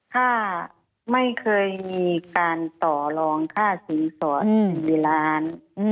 ค่ะไม่เคยมีการต่อรองค่าศีลสวรรค์๑ล้าน